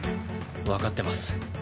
わかってます。